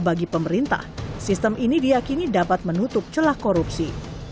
dan menurutnya sistem ini diakini dapat menutup celah korupsi